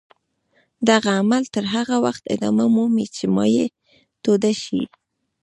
دغه عمل تر هغه وخته ادامه مومي چې مایع توده شي.